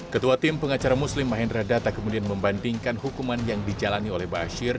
ketua tim pengacara muslim mahendra data kemudian membandingkan hukuman yang dijalani oleh bashir